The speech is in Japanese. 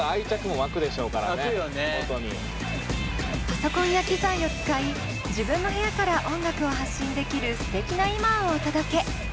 パソコンや機材を使い自分の部屋から音楽を発信できるすてきな今をお届け。